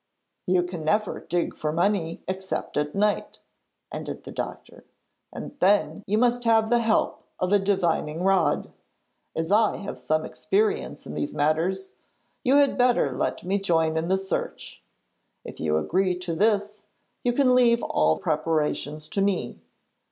'You can never dig for money except at night,' ended the doctor, 'and then you must have the help of a divining rod. As I have some experience in these matters, you had better let me join in the search. If you agree to this, you can leave all preparations to me.